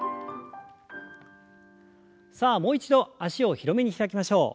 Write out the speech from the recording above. さあもう一度脚を広めに開きましょう。